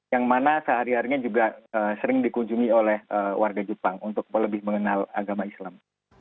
yang mana sehari harinya juga sering dikunjungi oleh warga jepang untuk lebih mengenal agama islam